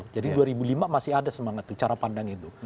jadi dua ribu lima masih ada semangat itu cara pandang itu